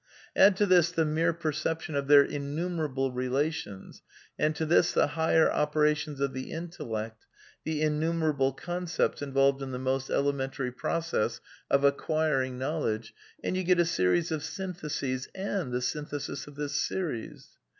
Add to this the mere perception of their innumerable relations, and to this the higher operations of the intellect, the in numerable concepts involved in the most elementary proc ess of acquiring knowledge, and you get a series of syn theses and the synthesis of this series.